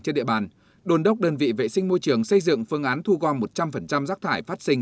trên địa bàn đồn đốc đơn vị vệ sinh môi trường xây dựng phương án thu gom một trăm linh rác thải phát sinh